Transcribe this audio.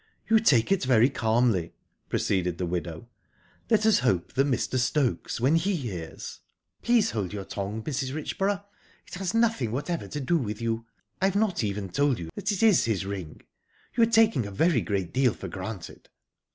"You take it very calmly," proceeded the widow. "Let us hope that Mr. Stokes, when he hears..." "Please hold your tongue, Mrs. Richborough! It has nothing whatever to do with you. I've not even told you that it is his ring. You are taking a very great deal for granted."